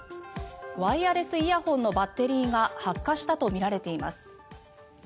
ワイヤレスイヤホンのバッテリーが発火したとみられています。